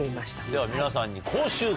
では皆さんに。